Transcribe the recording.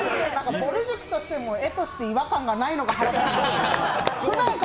ぼる塾としても画として違和感がないのが。